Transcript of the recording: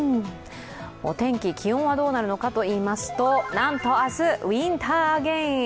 お天気、気温はどうなるのかといいますとなんと明日、ウインターアゲイン。